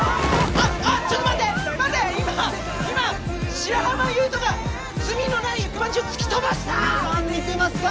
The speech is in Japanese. あっあっちょっと待って待って今今白浜優斗が罪のない一般人を突き飛ばした皆さん見てますか？